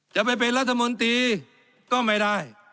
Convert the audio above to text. จะไปเป็นรัฐมนตรีก็ไม่ได้